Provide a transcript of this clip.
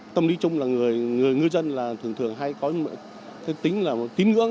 tâm lý chung là người ngư dân là thường thường hay có tính là tín ngưỡng